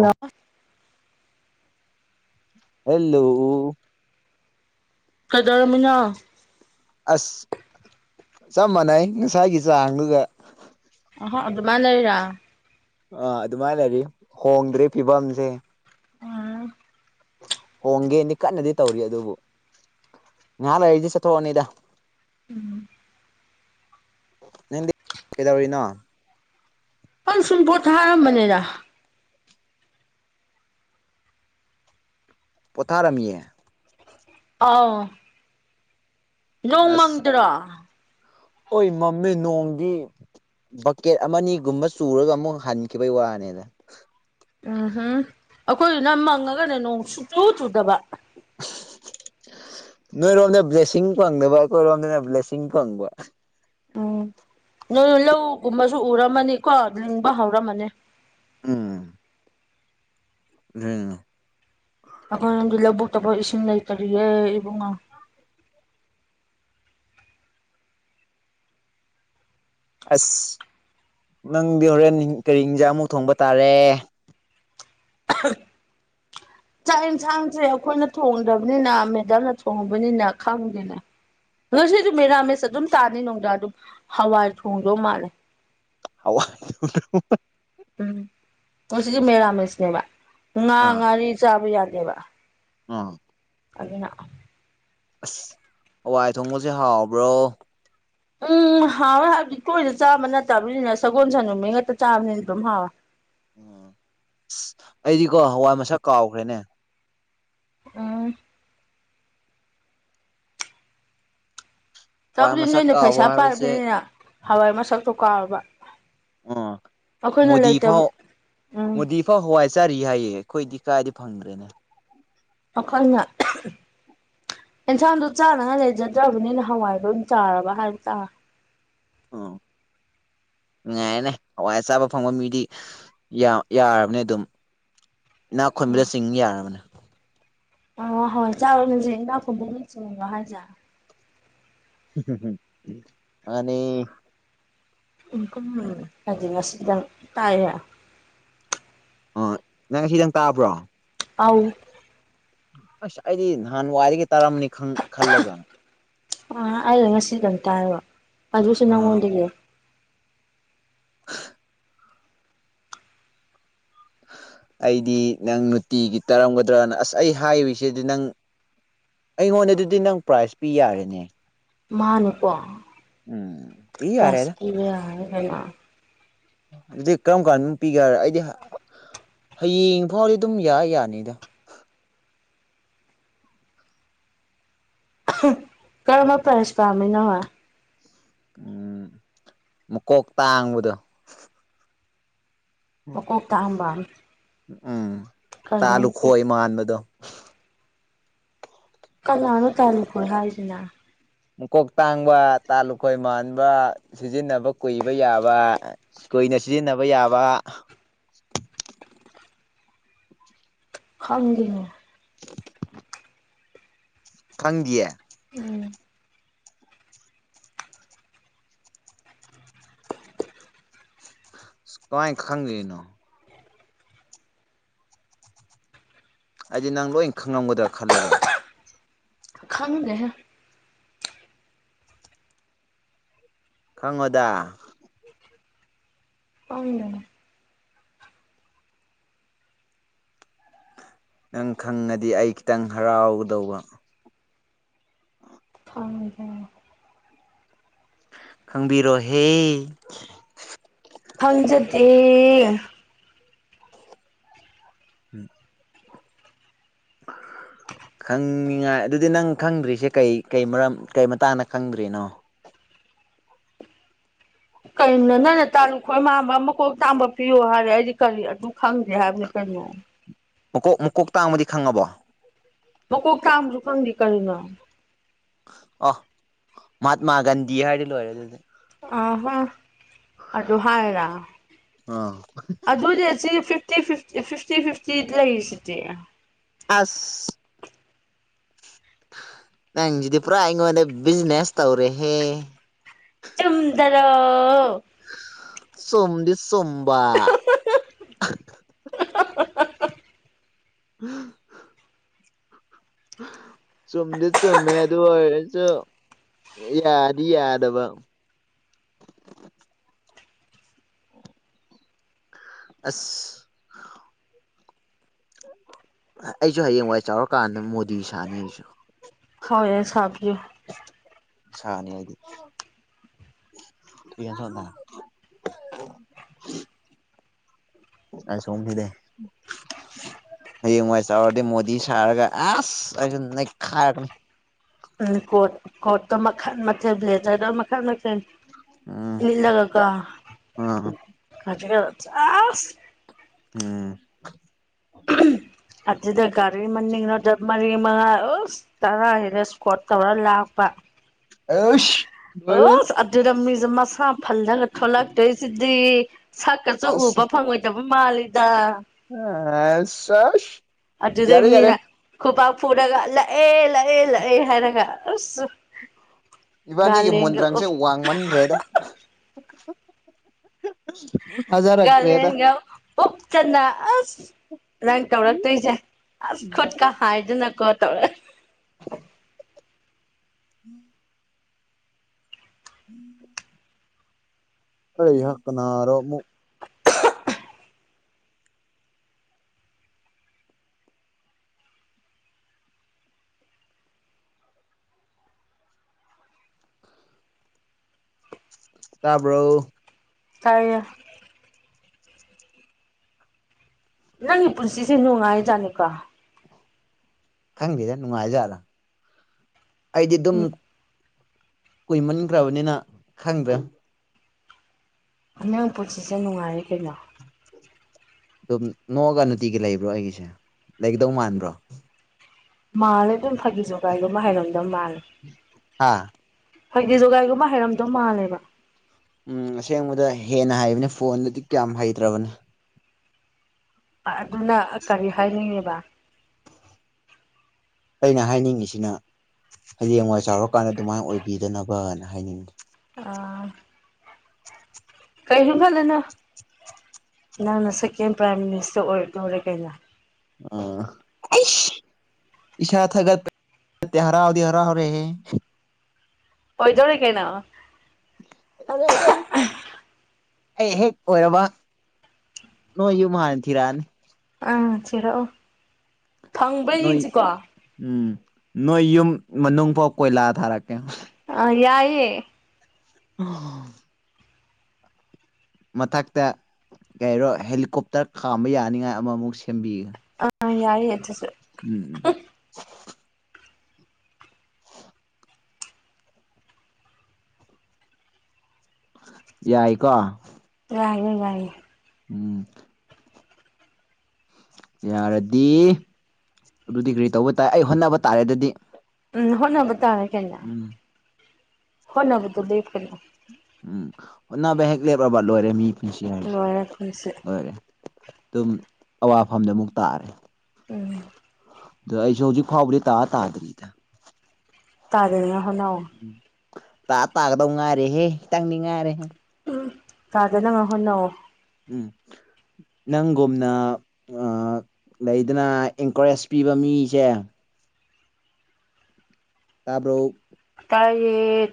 ꯑꯣ ꯍꯦꯜꯂꯣ ꯀꯩꯗꯧꯔꯝꯃꯥꯅꯣ ꯑꯁ ꯆꯞ ꯃꯥꯟꯅꯩ ꯉꯁꯥꯏꯒꯤ ꯆꯥꯡꯗꯨꯒ ꯑꯍꯣ ꯑꯗꯨꯃꯥꯏ ꯂꯧꯔꯤꯔꯣ ꯑꯥ ꯑꯗꯨꯃꯥꯏꯅ ꯂꯩꯔꯤ ꯍꯣꯡꯗ꯭ꯔꯤ ꯐꯤꯕꯝꯁꯦ ꯍꯣꯡꯒꯦꯗꯤ ꯀꯟꯅꯗꯤ ꯇꯧꯔꯤ ꯑꯗꯨꯕꯨ ꯉꯥꯏꯍꯥꯛ ꯂꯩꯔꯤꯗꯤ ꯆꯠꯊꯣꯛꯑꯅꯤꯗ ꯎꯝ ꯅꯪꯗꯤ ꯀꯩꯗꯧꯔꯤꯅꯣ ꯑ ꯁꯨꯝ ꯄꯣꯊꯥꯔꯝꯕꯅꯤꯗ ꯄꯣꯊꯥꯔꯝꯃꯤꯌꯦ ꯑꯥꯎ ꯅꯣꯡ ꯑꯁ ꯃꯪꯗ꯭ꯔꯣ ꯑꯣꯏ ꯃꯃꯦ ꯅꯣꯡꯒꯤ ꯕꯛꯀꯦꯠ ꯑꯃ ꯑꯅꯤꯒꯨꯝꯕ ꯆꯨꯔꯒ ꯑꯃꯨꯛ ꯍꯟꯈꯤꯕꯒꯤ ꯋꯥꯅꯤꯗ ꯎꯝ ꯎꯝ ꯑꯩꯈꯣꯏꯗꯨꯅ ꯃꯪꯉꯒꯅꯦ ꯅꯣꯡ ꯁꯨꯡꯆꯨ ꯆꯨꯗꯕ [inaudible] ꯅꯣꯏꯔꯣꯝꯗ ꯕ꯭ꯂꯦꯁꯤꯡ ꯐꯪꯗꯕ ꯑꯩꯈꯣꯏꯔꯣꯝꯗꯅ ꯕ꯭ꯂꯦꯁꯤꯡ ꯐꯪꯕ ꯎꯝ ꯅꯣꯏ ꯂꯧꯒꯨꯝꯕꯁꯨ ꯎꯔꯝꯃꯅꯤꯀꯣ ꯂꯤꯡꯕ ꯍꯧꯔꯝꯃꯅꯤ ꯎꯝ ꯎꯝ ꯑꯩꯈꯣꯏꯔꯣꯝꯗꯤ ꯂꯧꯕꯨꯛꯇꯐꯧ ꯏꯁꯤꯡ ꯂꯩꯇꯔꯤꯌꯦ ꯏꯕꯨꯡꯉꯣ ꯑꯁ ꯅꯪꯗꯤ ꯍꯣꯔꯦꯟ ꯀꯔꯤ ꯏꯟꯖꯥꯡꯃꯨꯛ ꯊꯣꯡꯕ ꯇꯥꯔꯦ [inaudible] ꯆꯥꯛ ꯌꯦꯟꯁꯥꯡꯁꯦ ꯑꯩꯈꯣꯏꯅ ꯊꯣꯡꯗꯕꯅꯤꯅ ꯃꯦꯗꯥꯝꯅ ꯊꯣꯡꯉꯨꯕꯅꯤꯅ ꯈꯪꯗꯦꯅ ꯉꯁꯤꯁꯨ ꯃꯦꯔꯥꯃꯦꯁ ꯑꯗꯨꯝ ꯇꯥꯅꯤ ꯅꯅꯨꯡꯗ꯭ꯔꯥ ꯑꯗꯨꯝ ꯍꯋꯥꯏ ꯊꯣꯡꯗꯧ ꯃꯥꯜꯂꯦ ꯍꯋꯥꯎ ꯎꯝ ꯃꯁꯤꯒꯤ ꯃꯦꯔꯥꯃꯤꯁꯅꯦꯕ ꯉꯥ ꯑꯥ ꯉꯥꯔꯤ ꯆꯥꯕ ꯌꯥꯗꯦꯕ ꯑꯥ ꯑꯗꯨꯅ ꯑꯁ ꯍꯋꯥꯏ ꯊꯣꯡꯕꯁꯦ ꯍꯥꯎꯕ꯭ꯔꯣ ꯎꯝ ꯎꯝ ꯍꯥꯎꯋꯦ ꯍꯥꯏꯕꯗꯤ ꯇꯣꯏꯅ ꯆꯥꯕ ꯅꯠꯇꯕꯅꯤꯅ ꯁꯒꯣꯜ ꯁꯦꯜ ꯅꯨꯃꯤꯠ ꯉꯛꯇ ꯆꯥꯕꯅꯤꯅ ꯑꯗꯨꯝ ꯍꯥꯎꯋꯦ ꯎꯝ ꯑꯁ ꯑꯩꯗꯤꯀꯣ ꯍꯋꯥꯏ ꯃꯁꯛ ꯀꯥꯎꯈ꯭ꯔꯦꯅꯦ ꯎꯝ ꯍꯋꯥꯏ ꯇꯧꯗꯤ ꯃꯁꯛ ꯅꯣꯏꯅ ꯀꯥꯎꯕ ꯄꯩꯁꯥ ꯍꯥꯏꯕꯁꯦ ꯄꯥꯏꯕꯅꯤꯅꯤꯅ ꯍꯋꯥꯏ ꯃꯁꯛꯇꯣ ꯀꯥꯎꯔꯕ ꯎ ꯑꯩꯈꯣꯏꯅ ꯃꯣꯗꯤ ꯐꯥꯎ ꯂꯩꯇꯕ ꯎꯝ ꯃꯣꯗꯤ ꯐꯥꯎ ꯍꯋꯥꯏ ꯆꯥꯔꯤ ꯍꯥꯏꯌꯦ ꯑꯩꯈꯣꯏꯗꯤ ꯀꯥꯏꯗꯤ ꯐꯪꯗ꯭ꯔꯦꯅꯦ ꯑꯈꯣꯏꯅ ꯑꯦꯟꯁꯥꯡꯗꯣ ꯆꯥꯅꯉꯥꯏ ꯂꯩꯖꯗ꯭ꯔꯕꯅꯤꯅ ꯍꯋꯥꯏꯔꯣ ꯑꯗꯨꯝ ꯆꯥꯔꯕ ꯍꯥꯏꯕ ꯇꯥꯔꯦ [inaudible] ꯅꯨꯡꯉꯥꯏꯔꯅꯦ ꯍꯋꯥꯏ ꯆꯥꯕ ꯐꯪꯕ ꯃꯤꯗꯤ ꯌꯥꯔꯕꯅꯦ ꯑꯗꯨꯝ ꯏꯅꯥꯛ ꯎꯝ ꯈꯨꯟꯕꯗ ꯆꯤꯡ ꯌꯥꯔꯕꯅꯦ ꯑꯣ ꯍꯣꯏ ꯆꯥꯎꯔꯒꯁꯦ ꯏꯅꯥꯎ ꯐꯕ ꯃꯆꯅꯤꯡꯕꯣ ꯍꯥꯏꯁꯦꯔ ꯃꯅꯦ ꯎꯝ ꯎꯝ ꯍꯥꯏꯗꯤ ꯉꯁꯤꯗꯪ ꯇꯥꯏꯌꯦ ꯑꯣ ꯅꯪ ꯉꯁꯤ ꯇꯪ ꯇꯥꯕ꯭ꯔꯣ ꯑꯥꯎ ꯑꯁ ꯑꯩꯗꯤ ꯅꯍꯥꯟ ꯋꯥꯏꯗꯒꯤ ꯇꯥꯔꯝꯅꯤ ꯈꯜꯂꯒ ꯑꯥ ꯑꯩꯩꯅ ꯉꯁꯤ ꯗꯪ ꯇꯥꯏꯕ ꯑꯗꯨꯁꯨ ꯑꯥ ꯅꯪꯉꯣꯟꯗꯒꯤ ꯑꯩꯗꯤ ꯅꯪ ꯅꯨꯡꯇꯤꯒꯤ ꯇꯥꯔꯝꯒꯗ꯭ꯔꯅ ꯑꯁ ꯑꯩ ꯍꯥꯏꯔꯤꯁꯤꯗꯤ ꯅꯪ ꯑꯩꯉꯣꯟꯗ ꯑꯗꯨꯗꯤ ꯅꯪ ꯄ꯭ꯔꯥꯏꯖ ꯄꯤ ꯌꯥꯔꯦꯅꯦ ꯃꯥꯅꯤꯀꯣ ꯎꯝ ꯄꯤ ꯄꯔꯥꯏꯁ ꯌꯥꯔꯦꯗ ꯄꯤꯕ [unintelligible] ꯑꯗꯨꯗꯤ ꯀꯔꯝ ꯀꯥꯟꯗ ꯄꯤꯒꯦ ꯍꯥꯏꯔ ꯑꯩꯗꯤ ꯍꯥꯌꯦꯡ ꯐꯥꯎꯗꯤ ꯑꯗꯨꯝ ꯌꯥ ꯌꯥꯅꯤꯗ ꯀꯔꯃ ꯄ꯭ꯔꯥꯏꯁ ꯄꯥꯝꯃꯤꯅꯃ ꯃꯀꯣꯛ ꯇꯥꯡꯕꯗꯣ ꯃꯀꯣꯛ ꯇꯥꯡꯕ ꯎꯝ ꯀꯩꯅꯣ ꯃꯀꯣꯛ ꯇꯥꯂꯨꯈꯣꯏ ꯃꯟꯕꯗꯣ ꯀꯅꯥꯅꯣ ꯇꯥꯂꯨꯈꯣꯏ ꯍꯥꯏꯖꯅꯥ ꯃꯀꯣꯛ ꯇꯥꯡꯕ ꯇꯥ ꯂꯨꯈꯣꯏ ꯃꯟꯥꯟꯕ ꯁꯤꯖꯤꯟꯅꯕ ꯀꯨꯏꯕ ꯌꯥꯕ꯫ ꯀꯣꯏꯅ ꯁꯤꯖꯤꯟꯅꯕ ꯌꯥꯕ [unintelligible] ꯈꯪꯒꯤꯅꯦ [unintelligible] ꯈꯪꯤꯌꯥ ꯎꯝ ꯀꯥꯏ ꯈꯪꯒꯦꯩꯅꯣ ꯍꯥꯏꯗꯤ ꯅꯪ ꯂꯣꯏ ꯈꯪꯂꯝꯝꯒꯗ꯭ꯔꯥ ꯈꯜꯂꯒ ꯈꯪꯒꯦꯍꯦ ꯈꯪꯉꯣꯗ ꯑꯥꯎꯗꯅꯦ ꯅꯪ ꯈꯪꯉꯗꯤ ꯑꯩ ꯈꯤꯇꯪ ꯍꯔꯥꯎꯗꯧꯕ ꯍꯗ ꯈꯪꯕꯤꯔꯣꯍꯦ ꯍꯪꯖꯗꯦ ꯎꯝ [unintelligible] ꯈꯪꯅꯤꯡꯉꯥꯏ ꯑꯗꯨꯗꯤ ꯅꯪ ꯈꯪꯗ꯭ꯔꯤꯁꯦ ꯀꯩ ꯀꯩ ꯃꯔꯝ ꯀꯩ ꯃꯇꯥꯡꯗ ꯈꯪꯗ꯭ꯔꯤꯅꯣ ꯀꯩ ꯅ ꯅ ꯇꯥꯨ ꯑꯩꯈꯣꯏ ꯃꯥꯟꯕ ꯃꯀꯣꯛ ꯇꯥꯡꯝꯕ ꯄꯤꯌꯣ ꯍꯥꯏꯔꯦ ꯑꯩꯗꯤ ꯀꯔꯤ ꯑꯗꯨ ꯈꯪꯗꯦ ꯍꯥꯏꯕꯅꯤ ꯀꯩꯅꯣ ꯃꯀꯣꯛ ꯃꯨꯀꯣꯛ ꯇꯥꯡꯕꯗꯤ ꯈꯪꯉꯕꯣ ꯃ ꯀ ꯀ ꯑꯃꯔꯀꯥꯟꯗꯤ ꯀꯔꯦꯅ ꯑ ꯃꯍꯥꯇꯃꯥ ꯒꯥꯟꯙꯤ ꯍꯥꯏꯔꯗꯤ ꯂꯣꯏꯔꯦ ꯑꯗꯨꯗꯤ ꯑ ꯍ ꯑꯗꯨꯗ ꯍꯥꯏꯔ ꯑꯥ ꯑꯗꯨꯗꯤ ꯑꯁꯤ ꯐꯤꯐꯇꯤ ꯐꯤꯐꯇꯤ ꯐꯤꯐꯇꯤ ꯂꯩꯔꯤꯁꯤꯅꯦꯦ ꯑꯁ ꯅꯪꯁꯤꯗꯤ ꯄꯨꯔꯥ ꯑꯩꯉꯣꯟꯗ ꯕꯤꯖꯤꯅꯦꯁ ꯇꯧꯔꯦꯍꯦ ꯆꯨꯝꯗ꯭ꯔꯣ ꯁꯣꯝꯗꯤ ꯁꯣꯝꯕ ꯎꯝ ꯆꯗꯤ ꯆꯃꯦ ꯑꯗꯨ ꯍꯔꯦꯁꯨ ꯌꯥꯗ ꯌꯥꯗꯕ [unintelligible] ꯑꯁ ꯑꯩꯁꯨ ꯍꯌꯦꯡꯋꯥꯏ ꯆꯥꯎꯔꯀꯥꯟꯗ ꯃꯣꯗꯤ ꯁꯥꯅꯤ ꯑꯩꯁꯨ ꯍꯣꯏ ꯑꯦꯁꯐꯖꯣ ꯁꯥꯅꯤ ꯑꯩꯗꯤ ꯀꯁꯗ ꯑ ꯁꯣꯝꯊꯗꯦ ꯍꯌꯦꯡꯋꯥꯏ ꯆꯥꯎꯔꯗꯤ ꯃꯣꯗꯤ ꯁꯥꯔꯒ ꯑꯁ ꯑꯩꯁꯨ ꯅꯦꯛ ꯈꯥꯏꯔꯛꯀꯅꯤ ꯀꯣꯔꯣꯠ ꯀꯣꯔꯠꯇ ꯃꯈꯜ ꯃꯊꯦꯜ ꯕ꯭ꯂꯦꯗꯔꯗ ꯃꯈꯜ ꯃꯈ ꯎꯝ ꯜꯗꯒꯀ ꯎꯝ ꯈ ꯑ ꯎꯝ ꯎ ꯑꯗꯨꯗ ꯒꯥꯔꯤ ꯃꯅꯤꯡꯅꯣꯗ ꯃꯔꯤ ꯃꯉꯥ ꯇꯔꯥ ꯍꯔꯦ ꯏꯁꯀꯣꯠ ꯇꯧꯔ ꯂꯥꯛꯄ ꯑꯁ ꯂꯣꯏꯔꯦ ꯑꯣ ꯑꯗꯨꯔꯃꯤ ꯃꯁꯥ ꯐꯜꯂꯒ ꯊꯂꯛꯇꯣꯏꯁꯤꯗꯤ ꯁꯛꯀꯁꯨ ꯎꯕ ꯐꯪꯉꯣꯏꯗꯕ ꯃꯥꯂꯤꯗ ꯑ ꯁꯣꯁ ꯌꯥꯔꯦ ꯌꯥꯔꯦ ꯄꯨꯔꯒ ꯂꯥꯛꯑꯦ ꯂꯥꯛꯑꯦ ꯂꯥꯛꯑꯦ ꯍꯥꯏꯔꯒ ꯑꯁ ꯏꯕꯥꯅꯤꯒꯤ ꯒꯥꯔꯂꯦꯟꯒ ꯃꯨꯟꯗ꯭ꯔꯪꯁꯦ ꯎꯞ ꯋꯥꯡꯃꯟꯈ꯭ꯔꯦꯗ ꯒꯔꯟ ꯊꯥꯖꯔꯛꯇ꯭ꯔꯦꯗ ꯉꯥꯡ ꯑꯣ ꯆꯠꯅ ꯑꯁ ꯅꯪ ꯀꯧꯔꯛꯇꯣꯏꯁꯦ ꯑꯁ ꯈꯨꯠꯀ ꯍꯥꯏꯗꯅ ꯀꯣꯠ ꯇꯧꯔꯦ ꯎꯝ ꯎꯝ ꯑꯩ ꯍꯛ ꯀꯥꯅꯔꯣ ꯑꯃꯨꯛ ꯇꯥꯕ꯭ꯔꯣ ꯇꯥꯢꯌꯦ ꯅꯪ ꯄꯨꯟꯁꯤꯁꯦ ꯅꯨꯡꯉꯥꯏꯖꯥꯅꯤꯀꯣ ꯈꯪꯗꯦꯗꯦ ꯅꯨꯡꯉꯥꯏꯖꯥꯠꯂꯥ ꯑꯩꯗꯤ ꯑꯗꯨꯝ ꯎꯝ ꯀꯨꯏꯃꯟꯈ꯭ꯔꯕꯅꯤꯅ ꯈꯪꯗ꯭ꯔꯦ ꯅꯪ ꯄꯨꯟꯁꯤꯁꯦ ꯅꯨꯡꯉꯥꯏꯔꯦ ꯀꯩꯅꯣ ꯑꯗꯨꯝ ꯅꯣꯛꯑꯒ ꯅꯨꯡꯇꯤꯒꯤ ꯂꯩꯕ꯭ꯔꯣ ꯑꯩꯒꯤꯁꯦ ꯂꯩꯒꯗꯧ ꯃꯥꯟꯕ꯭ꯔꯣ ꯃꯥꯜꯂꯦ ꯑꯗꯨꯝ ꯐꯥꯒꯤ ꯖꯨꯒꯥꯢ ꯒꯨꯝꯕ ꯍꯥꯏꯔꯝꯗꯧ ꯃꯥꯜꯂꯦ ꯍꯥꯥ ꯍꯥꯏꯗꯤ ꯖꯒꯣꯏꯒꯨꯝꯕ ꯍꯩꯔꯝꯗꯧ ꯃꯥꯜꯂꯦꯕ ꯎꯝ ꯑꯁꯦꯡꯕꯗ ꯍꯦꯟꯅ ꯍꯩꯕꯅꯤ ꯐꯣꯟꯗꯨꯗꯤ ꯀꯌꯥꯝ ꯍꯩꯇ꯭ꯔꯕꯅꯤ ꯑꯗꯨꯅ ꯀꯔꯤ ꯍꯥꯏꯅꯤꯡꯉꯤꯕ ꯑꯩꯅ ꯍꯥꯏꯅꯤꯡꯉꯤꯁꯤꯅ ꯍꯌꯦꯡꯋꯥꯏ ꯆꯥꯎꯔꯀꯥꯟꯗ ꯑꯗꯨꯃꯥꯏꯅ ꯑꯣꯏꯕꯤꯗꯅꯕ ꯍꯥꯏꯅꯤꯡꯉꯤ ꯑꯥ ꯀꯔꯤꯝ ꯈꯜꯂꯨꯅꯣ ꯅꯪꯅ ꯁꯦꯀꯦꯟ ꯄ꯭ꯔꯥꯏꯝ ꯃꯤꯅꯤꯁꯇꯔ ꯑꯣꯏꯔꯗꯧꯔꯦ ꯀꯩꯅꯣ ꯑꯥ ꯑꯩꯁ ꯏꯁꯥ ꯊꯒꯠ ꯍꯔ ꯍꯥꯔꯥꯎꯗꯤ ꯍꯔꯥꯎꯔꯦꯍꯦ ꯑꯣꯏꯗꯧꯔꯦ ꯀꯩꯅꯣ ꯀꯩꯗꯧꯔꯦ ꯀꯩꯗꯧꯔꯤ ꯑꯩ ꯍꯦꯛ ꯑꯣꯏꯔꯕ ꯅꯣꯏ ꯌꯨꯝ ꯍꯅ ꯊꯤꯔꯛꯑꯅꯤ ꯑꯥꯪ ꯊꯤꯔꯛꯑꯣ ꯐꯪꯕ꯭ꯔꯥ ꯅꯣꯏ ꯌꯦꯡꯁꯤꯀꯣ ꯎꯝ ꯅꯣꯏ ꯌꯨꯝ ꯃꯅꯨꯡꯐꯥꯎ ꯀꯣꯏꯂꯥ ꯊꯥꯔꯛ ꯑ ꯌꯥꯢꯌꯦ ꯑꯣ ꯃꯊꯛꯇ ꯀꯩꯔꯣ ꯍꯦꯂꯤꯀꯣꯞꯇꯔ ꯈꯥꯝꯕ ꯌꯥꯅꯤꯡꯉꯥꯏ ꯑꯃꯃꯨꯛ ꯁꯤ ꯆꯦꯝꯕꯤꯒ ꯑꯥ ꯌꯥꯏꯌꯦ ꯑꯗꯨꯁꯨ ꯎꯝ ꯌꯥꯏ ꯀꯣ ꯉꯥꯏꯌꯦ ꯉꯥꯏꯌꯦ ꯎꯝ ꯌꯥꯔꯗꯤ ꯑꯗꯨꯗꯤ ꯀ꯭ꯔꯤ ꯇꯧꯕ ꯇꯥꯏ ꯑꯩ ꯍꯣꯠꯅꯕ ꯇꯥꯔꯦ ꯑꯗꯨꯗꯤ ꯇꯔꯦ ꯀꯩꯅꯣ ꯎꯝ ꯍꯣꯠꯅꯕꯗꯨꯗꯩ ꯀꯩꯅꯣ ꯎꯝ ꯑꯣꯟꯅꯕ ꯍꯦꯛ ꯂꯦꯞꯕ ꯂꯣꯏꯔꯦ ꯃꯤ ꯄꯨꯟꯁꯤ ꯍꯥꯏꯕꯁꯤꯗꯤ ꯂꯣꯏꯔꯦ ꯄꯨꯟꯁꯤ ꯂꯣꯏꯔꯦ ꯑꯗꯨꯝ ꯑꯋꯥꯐꯝꯗ ꯑꯃꯨꯛ ꯇꯥꯔꯦ ꯎꯝ ꯑꯗꯣ ꯑꯩꯁꯨ ꯍꯧꯖꯤꯛ ꯐꯥꯎꯕꯗꯤ ꯇꯥ ꯇꯥꯗ꯭ꯔꯤꯗ ꯇꯥꯗꯅ ꯍꯣꯠꯅꯧ ꯇꯥ ꯇꯥꯒꯗꯧ ꯉꯥꯏꯔꯦꯍꯦ ꯈꯤꯇꯪꯗꯤ ꯉꯥꯏꯔꯦ ꯇꯥꯗꯅꯕ ꯍꯣꯠꯅꯧ ꯎꯝ ꯅꯪꯒꯨꯝꯅ ꯑ ꯂꯩꯗꯅ ꯏꯟꯀꯔꯦꯖ ꯄꯤꯕ ꯃꯤꯁꯦ ꯇꯥꯕ꯭ꯔꯣ ꯇꯥꯢꯌꯦ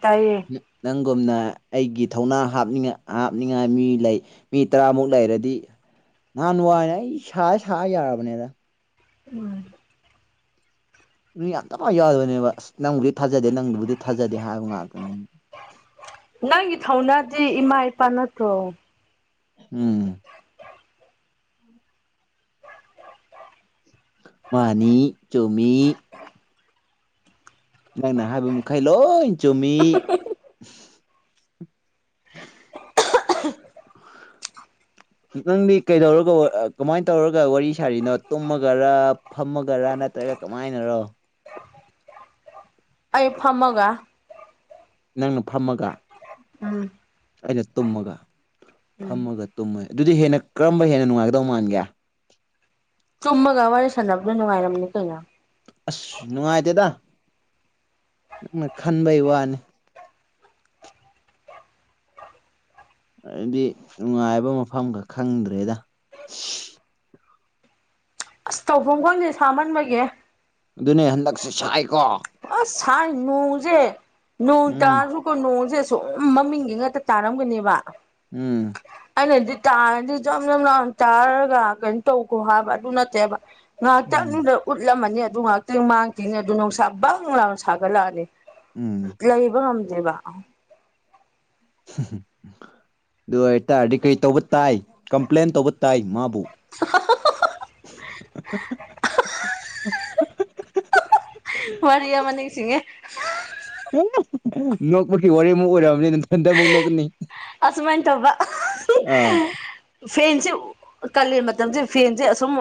ꯅꯪ ꯨꯝꯅ ꯑꯩꯒꯤ ꯊꯧꯅꯥ ꯍꯥ ꯍꯥꯞꯅꯤꯡꯉꯥꯏ ꯃꯤ ꯂꯩ ꯃꯤ ꯇꯔꯥꯃꯨꯛ ꯂꯩꯔꯗꯤ ꯅꯍꯥꯟ ꯅꯨꯡꯉꯥꯏꯅꯦ ꯑꯩ ꯁꯥ ꯁꯥ ꯌꯥꯔꯕꯅꯦꯗ ꯎꯝ ꯑꯗ ꯃꯥ ꯌꯥꯗꯕꯅꯦꯕ ꯅꯪꯕꯨꯗꯤ ꯊꯥꯖꯗꯦ ꯅꯪꯗꯨꯕꯨꯗꯤ ꯊꯥꯖꯗꯦ ꯍꯥꯏꯕ ꯉꯥꯛꯇꯅꯤ ꯁꯤ ꯏꯃꯥ ꯏꯄꯥ ꯅꯠꯇ꯭ꯔꯣ ꯎꯝ ꯃꯅꯤ ꯆꯨꯃꯤ ꯅꯪꯅ ꯍꯥꯏꯕꯃꯈꯥꯏꯂꯣ ꯏ ꯆꯃꯤ [inaudible] ꯇꯪꯗꯤ ꯀꯩꯗꯧꯔꯒ ꯀꯃꯥꯏꯅ ꯇꯧꯔꯒ ꯋꯥꯔꯤ ꯁꯥꯔꯤꯅꯣ ꯇꯨꯝꯃꯒꯔ ꯐꯝꯃꯒꯔꯅ ꯅꯠꯇ꯭ꯔꯒ ꯀꯃꯥꯏꯅꯔꯣ ꯑꯩ ꯐꯝꯃꯒ ꯅꯪꯅ ꯐꯝꯃꯒ ꯎꯝ ꯑꯩꯅ ꯇꯨꯝꯃꯒ ꯎꯝ ꯐꯝꯃꯒ ꯇꯨꯝꯃ ꯑꯗꯨꯗꯤ ꯍꯦꯟꯅ ꯀꯔꯝꯕ ꯍꯦꯟꯅ ꯅꯨꯡꯉꯥꯏꯒꯗꯧ ꯃꯥꯟꯒꯦ ꯆꯨꯝꯃꯒ ꯋꯥꯔꯤ ꯁꯥꯟꯅꯕꯗꯣ ꯅꯨꯡꯉꯥꯏꯔꯝꯅꯤ ꯀꯩꯅꯣ ꯑꯁ ꯅꯨꯡꯉꯥꯏꯇꯦꯗ ꯅꯪꯅ ꯈꯟꯕꯩ ꯋꯥꯅꯤ ꯍꯥꯏꯗꯤ ꯅꯨꯡꯉꯥꯏꯕ ꯃꯐꯝ ꯈꯛ ꯈꯪꯗ꯭ꯔꯦꯗ ꯑꯁ ꯇꯧꯐꯝꯣꯡ ꯈꯣꯟꯁꯦ ꯁꯥꯃꯟꯕꯒꯦ ꯑꯗꯨꯅꯦ ꯍꯟꯗꯛꯁꯦ ꯁꯥꯏꯀꯣ ꯑꯁ ꯁꯥꯏ ꯅꯣꯡꯁꯦ ꯅꯣꯡ ꯎꯝ ꯇꯥꯔꯁꯨꯀꯣ ꯅꯣꯡꯁꯦ ꯁꯨꯝ ꯃꯃꯤꯡꯒꯤ ꯉꯥꯛꯇ ꯇꯥꯔꯝꯒꯅꯦꯕ ꯎꯝ ꯑꯩꯅꯗꯤ ꯇꯥꯔꯗꯤ ꯌꯥꯝꯖꯝ ꯂ ꯇꯥꯔꯒ ꯀꯩꯅꯣ ꯇꯧꯈꯣ ꯍꯥꯏꯕ ꯑꯗꯨ ꯅꯠꯇꯦꯕ ꯎꯝ ꯉꯥꯏꯍꯥꯛꯇꯪꯗ ꯎꯠꯂꯝꯃꯅꯤ ꯑꯗꯨ ꯉꯥꯏꯍꯥꯛꯇꯪ ꯃꯥꯡꯈꯤꯅꯤ ꯑꯗꯨ ꯅꯨꯡꯁꯥ ꯕꯪ ꯂꯥꯎꯅ ꯁꯥꯒꯠꯂꯛꯑꯅꯤ ꯎꯝ ꯂꯩꯕ ꯉꯝꯗꯦꯕ ꯑꯗꯨ ꯑꯣꯏꯇꯥꯔꯗꯤ ꯀꯔꯤ ꯇꯧꯕ ꯇꯥꯏ ꯀꯝꯄ꯭ꯂꯦꯟ ꯇꯧꯕ ꯇꯥꯏ ꯃꯥꯕꯨ ꯃꯔꯤꯌꯥ ꯃꯅꯤꯁꯤꯡꯉꯦ ꯅꯣꯛꯄꯁꯤ ꯋꯥꯔꯤꯃꯨꯛ ꯑꯣꯏꯔꯑꯕꯅꯤꯊꯟꯗ ꯑꯃꯨꯛ ꯅꯣꯛꯀꯅꯤ ꯑꯁꯨꯃꯥꯏꯅ ꯇꯧꯕ ꯑꯥ ꯐꯦꯟꯁꯦ ꯀꯥꯂꯦꯟ ꯃꯇꯝꯁꯦ ꯐꯦꯟꯁꯦ ꯑ ꯁꯨꯝ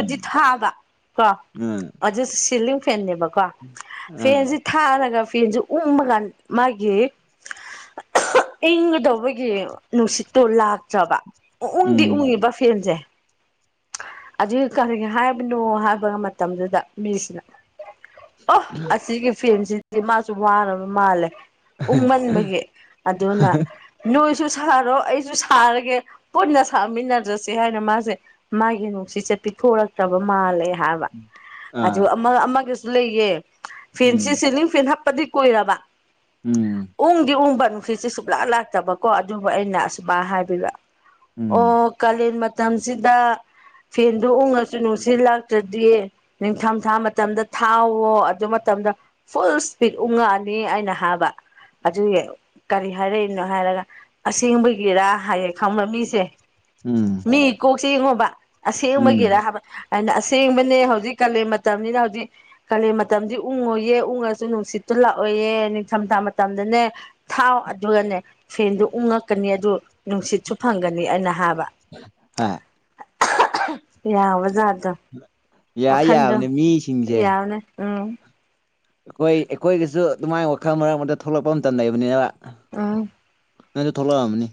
ꯎꯝ ꯊꯥꯕ ꯀꯣ ꯑꯥ ꯑꯗꯨ ꯁꯤꯂꯤꯡ ꯐꯦꯕꯀꯣ ꯀꯣ ꯑꯥ ꯐꯦꯟꯁꯤ ꯊꯥꯔꯒ [unintelligible] [unintelligible] ꯑꯩꯈꯣꯏꯒꯤ ꯅꯨꯡꯁꯤꯠꯇꯣ ꯂꯥꯛꯇ꯭ꯔꯕ ꯎꯪꯗꯤ ꯎꯝ ꯎꯪꯉꯤꯕ ꯐꯦꯟꯁꯦ ꯑꯗꯨ ꯀꯔꯤꯒꯤ ꯍꯥꯏꯕꯅꯣ ꯍꯥꯏꯕ ꯃꯇꯝꯗꯨꯗ ꯃꯤꯁꯤꯅ ꯑꯣ ꯑꯁꯤꯒꯤ ꯐꯦꯟꯁꯤꯗꯤ ꯃꯥꯁꯨ ꯋꯥꯅꯕ ꯃꯥꯜꯂꯦ ꯎꯪꯃꯟꯕꯒꯤ ꯑꯗꯨꯅ ꯅꯣꯏꯁꯨ ꯁꯥꯔꯣ ꯑꯩꯁꯨ ꯁꯥꯔꯒꯦ ꯄꯨꯟꯅ ꯁꯥꯃꯤꯟꯅꯔꯁꯤ ꯍꯥꯏꯅ ꯃꯥꯁꯦ ꯃꯥꯒꯤ ꯅꯨꯡꯁꯤꯁꯦ ꯄꯤꯊꯣꯔꯛꯇ꯭ꯔꯕ ꯃꯥꯜꯂꯦ ꯍꯥꯏꯕ ꯑꯗꯨꯒ ꯑꯥ ꯑꯃ ꯑꯃꯒꯁꯨ ꯂꯩꯌꯦ ꯐꯦꯟꯁꯤ ꯎꯝ ꯁꯤꯂꯤꯡ ꯐꯦꯟ ꯍꯥꯞꯄꯗꯤ ꯀꯣꯏꯔꯕ ꯎꯝ ꯎꯪꯗꯤ ꯎꯡꯕ ꯅꯨꯡꯁꯤꯠꯁꯤ ꯁꯨꯡꯛꯂꯥ ꯂꯥꯛꯇꯕꯀꯣ ꯑꯗꯨꯕꯨ ꯑꯩꯅ ꯑꯁꯨꯃ ꯍꯥꯏꯕꯤꯕ ꯎꯝ ꯑꯣ ꯀꯥꯟ ꯃꯇꯝꯁꯤꯗ ꯐꯦꯟꯗꯣ ꯎ ꯉꯁꯅ ꯁꯤ ꯂꯥꯛꯇ꯭ꯔꯗꯤ ꯅꯤꯡꯊꯝ ꯊꯥ ꯃꯇꯝꯗ ꯊꯥꯎꯋꯣ ꯑꯗꯨ ꯃꯇꯝꯗ ꯐꯨꯜ ꯏꯁꯄꯤꯠ ꯎꯉꯛꯑꯅꯤ ꯑꯩꯅ ꯍꯥꯕ ꯑꯗꯨꯒꯤ ꯀꯔꯤ ꯍꯥꯏꯔꯛꯏꯅꯣ ꯍꯥꯏꯔꯒ ꯑꯁꯦꯡꯕꯒꯤꯔ ꯍꯥꯏꯌꯦ ꯈꯪꯕ ꯃꯤꯁꯦ ꯎꯝ ꯃꯤ ꯀꯣꯛ ꯆꯦ ꯌꯦꯡꯉꯣꯕ ꯎꯝ ꯑꯁꯦꯡꯕꯒꯤꯔ ꯍꯥꯏꯕ ꯍꯥꯏꯅ ꯑꯁꯦꯡꯕꯅꯦ ꯍꯧꯖꯤꯛ ꯀꯥꯂꯦꯟ ꯃꯇꯝꯅꯤꯅ ꯍꯧꯖꯤꯛ ꯀꯥꯂꯦꯟ ꯃꯇꯝꯗꯤ ꯎꯪꯉꯣꯏꯌꯦ ꯎꯡꯉꯁꯨ ꯅꯨꯡꯁꯤꯠ ꯇꯨ ꯂꯥꯛꯑꯣꯏꯌꯦ ꯅꯤꯡꯊꯝꯊꯥ ꯃꯇꯝꯗꯅꯦ ꯊꯥꯎ ꯑꯗꯨꯒꯅꯦ ꯐꯦꯟꯗ ꯎꯪꯉꯛꯀꯅꯤ ꯑꯗꯨ ꯅꯨꯡꯁꯤꯠꯁꯨ ꯐꯪꯒꯅꯤ ꯑꯩꯅ ꯍꯥꯏꯕ ꯍꯥꯏ ꯌꯥꯕꯖꯥꯗ ꯌꯥ ꯋꯥꯈꯟꯗꯣ ꯌꯥꯕꯅꯦ ꯃꯤꯁꯤꯡꯁꯦ ꯌꯥꯎꯅ ꯎꯝ ꯑꯩꯈꯣꯏ ꯑꯩꯈꯣꯏꯒꯤꯁꯨ ꯑꯗꯨꯃꯥꯏꯅ ꯋꯥꯈꯜ ꯃꯔꯛ ꯑꯃ ꯊꯣꯛꯂꯛꯄ ꯃꯇꯝ ꯂꯩꯕꯅꯤꯅ ꯎꯝ ꯅꯁꯨ ꯊ ꯊꯣꯛꯂꯛ ꯂꯝꯅꯤ